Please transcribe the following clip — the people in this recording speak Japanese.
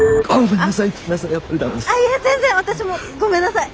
全然私もごめんなさい。